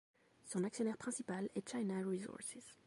Son actionnaire principal est China Resources.